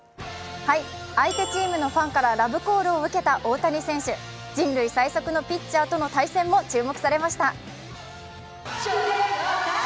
相手チームのファンからラブコールを受けた大谷選手、人類最速のピッチャーとの対戦も注目されました。